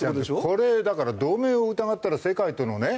これだから同盟を疑ったら世界とのね